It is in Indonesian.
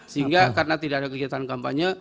sehingga karena tidak ada kegiatan kampanye